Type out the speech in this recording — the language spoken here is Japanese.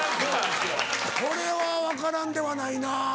これは分からんではないな。